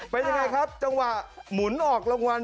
เป็นยังไงครับจังหวะหมุนออกรางวัล